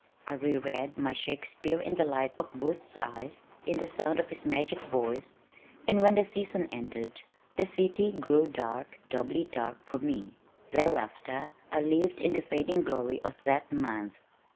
I re read my Shakespeare in the light of Booth's eyes, in the sound of his magic voice, and when the season ended, the city grew dark, doubly dark for me. Thereafter I lived in the fading glory of that month.